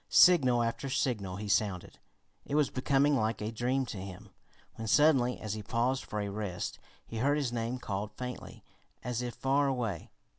Signal after signal he sounded. It was becoming like a dream to him, when suddenly, as he paused for a rest, he heard his name called faintly, as if far away.